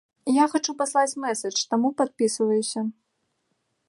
Я хачу паслаць мэсэдж, таму падпісваюся.